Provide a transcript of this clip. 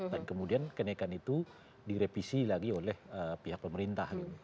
dan kemudian kenaikan itu direvisi lagi oleh pihak pemerintah gitu